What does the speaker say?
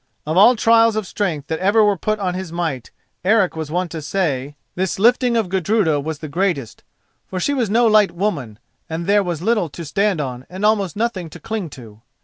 Of all trials of strength that ever were put upon his might, Eric was wont to say, this lifting of Gudruda was the greatest; for she was no light woman, and there was little to stand on and almost nothing to cling to.